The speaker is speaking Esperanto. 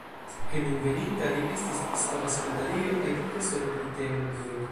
Hejmenveninta li estis episkopa sekretario kaj profesoro pri teologio.